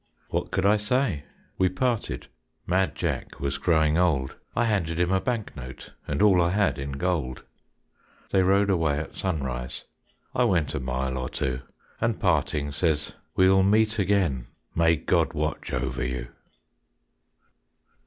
What could I say? We parted, Mad Jack was growing old; I handed him a bank note And all I had in gold. They rode away at sunrise, I went a mile or two, And parting says, "We will meet again; May God watch over you."